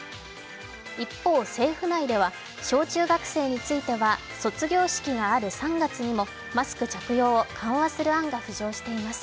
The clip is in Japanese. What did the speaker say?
一方、政府内では小中学生については卒業式がある３月にもマスク着用を緩和する案が浮上しています。